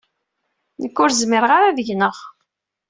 Nekk ur zmireɣ ara ad gneɣ.